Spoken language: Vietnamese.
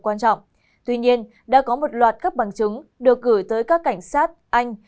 quan trọng tuy nhiên đã có một loạt các bằng chứng được gửi tới các cảnh sát anh